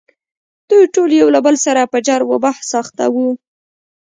دوی ټول یو له بل سره په جر و بحث اخته وو.